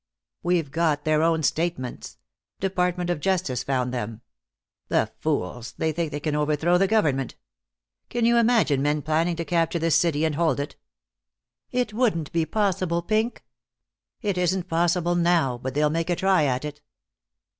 "We've got their own statements. Department of Justice found them. The fools, to think they can overthrow the government! Can you imagine men planning to capture this city and hold it?" "It wouldn't be possible, Pink?" "It isn't possible now, but they'll make a try at it."